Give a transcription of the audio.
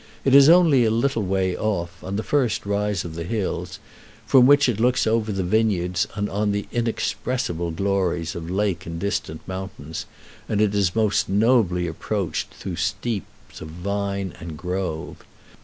It is only a little way off, on the first rise of the hills, from which it looks over the vineyards on inexpressible glories of lake and distant mountains, and it is most nobly approached through steeps of vine and grove.